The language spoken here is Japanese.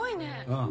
うん。